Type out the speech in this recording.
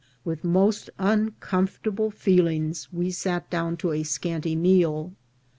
With most uncomfortable feelings we sat down to a scanty meal.